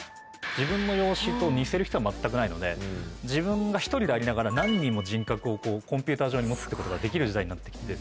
自分の容姿と似せる必要は全くないので自分が１人でありながら何人も人格をこうコンピューター上に持つってことができる時代になって来て。